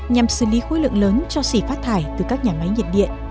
nhằm xử lý khối lượng lớn cho xỉ phát thải từ các nhà máy nhiệt điện